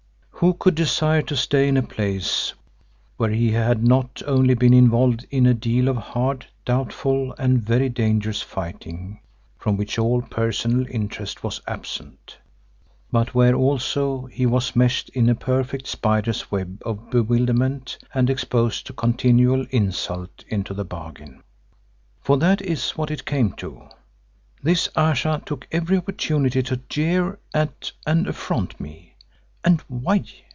Who could desire to stay in a place where he had not only been involved in a deal of hard, doubtful, and very dangerous fighting from which all personal interest was absent, but where also he was meshed in a perfect spider's web of bewilderment, and exposed to continual insult into the bargain? For that is what it came to; this Ayesha took every opportunity to jeer at and affront me. And why?